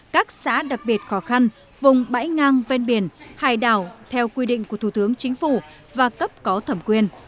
các xã đặc biệt khó khăn vùng bãi ngang ven biển hải đảo theo quy định của thủ tướng chính phủ và cấp có thẩm quyền